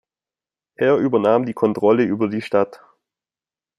Er übernahm die Kontrolle über die Stadt.